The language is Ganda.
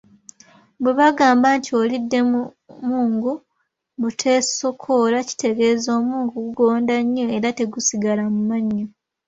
Bwebagamba nti olidde mungu buteesokoola kitegeeza omungu gugonda nnyo era tegusigala mu mannyo.